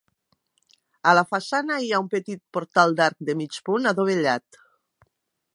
A la façana hi ha un petit portal d'arc de mig punt, adovellat.